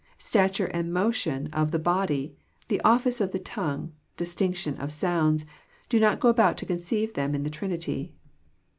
Stature and motion of the body, the office of the tongue, distinction of sounds, do not go about to conceive them in the Trinity."